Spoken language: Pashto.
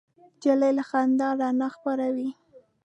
نجلۍ له خندا رڼا خپروي.